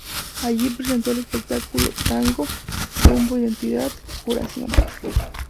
Allí presentó el espectáculo "Tango: Rumbo, Identidad, Curación".